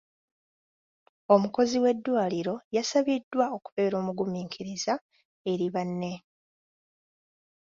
Omukozi w'eddwaliro yasabiddwa okubeera omugumiikiriza eri banne.